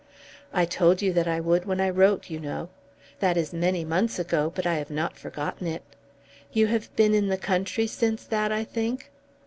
"I told you that I would when I wrote, you know. That is many months ago, but I have not forgotten it. You have been in the country since that, I think?"